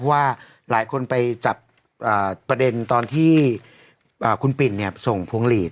ว่าหลายคนไปจับประเด็นตอนที่คุณปิ่นส่งพวงหลีด